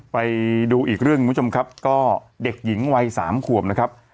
ไปดูอีกเรื่องคุณผู้ชมครับก็เด็กหญิงวัยสามขวบนะครับ